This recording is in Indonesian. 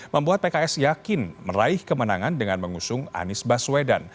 membuat pks yakin meraih kemenangan dengan mengusung anies baswedan